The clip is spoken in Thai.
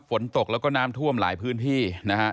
ฝนตกแล้วก็น้ำท่วมหลายพื้นที่นะครับ